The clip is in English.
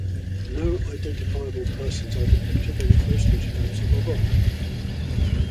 No identifiable persons are depicted on the postage stamps of Obock.